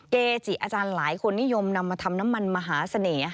เกจิอาจารย์หลายคนนิยมนำมาทำน้ำมันมหาเสน่ห์